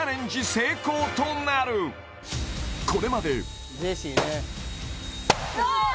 成功となるこれまでわーっ！